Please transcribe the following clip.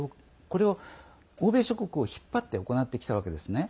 これを欧米諸国を引っ張って行ってきたわけですね。